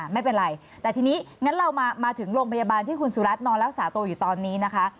ไม่เป็นไรแต่ทีนี้งั้นเรามาถึงโรงพยาบาลที่คุณสุรัตนนอนรักษาตัวอยู่ตอนนี้นะคะ